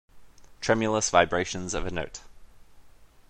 Tremulous vibration of a note.